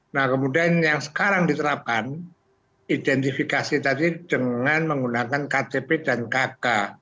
nah kemudian yang sekarang diterapkan identifikasi tadi dengan menggunakan ktp dan kk